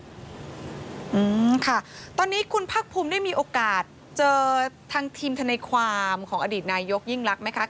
อืมค่ะตอนนี้คุณพักภูมิได้มีโอกาสเจอทางทีมทนายความของอดีตนายกยิ่งรักไหมคะ